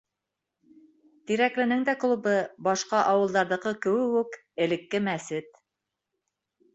Тирәкленең дә клубы, башҡа ауылдарҙыҡы кеүек үк, элекке мәсет.